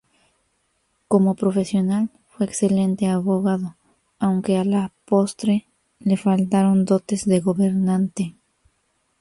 Como profesional, fue excelente abogado, aunque a la postre le faltaron dotes de gobernante.